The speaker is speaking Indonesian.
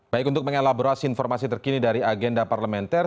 baik untuk mengelaborasi informasi terkini dari agenda parlementer